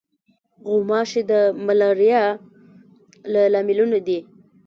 غوماشې د ملاریا له لاملونو دي.